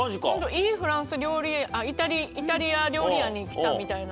いいフランス料理イタリア料理屋に来たみたいな。